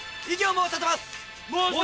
申し立てます！